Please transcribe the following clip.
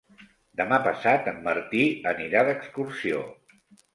Demà passat en Martí anirà d'excursió.